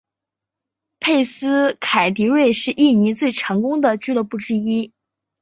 佩斯凯迪瑞是印尼最成功的俱乐部之一。